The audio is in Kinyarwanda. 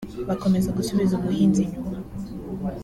bukomeza gusubiza umuhinzi inyuma